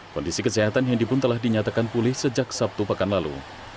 kondisi kesehatan hendi pun telah dinyatakan pulih sejak sabtu pekan lalu